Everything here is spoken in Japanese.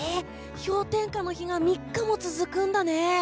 氷点下の日が３日も続くんだね。